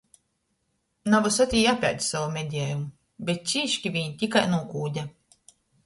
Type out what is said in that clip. Na vysod jī apēde sovu medejumu, bet cieški viņ tikai nūkūde.